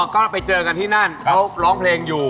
ก็ไปเจอกันที่นั่นเขาร้องเพลงอยู่